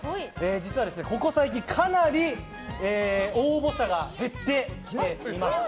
実はここ最近、かなり応募者が減ってきています。